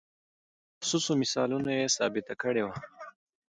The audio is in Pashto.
په محسوسو مثالونو یې ثابته کړې وه.